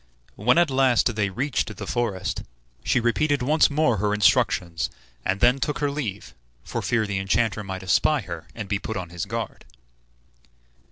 When at last they reached the forest, she repeated once more her instructions, and then took her leave, for fear the enchanter might espy her, and be put on his guard.